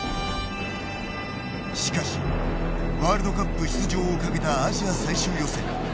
しかしワールドカップ出場をかけたアジア最終予選。